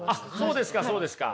そうですかそうですか。